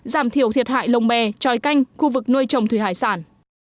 giảm thiểu thiệt hại lồng bè tròi canh khu vực nuôi trồng thủy hải sản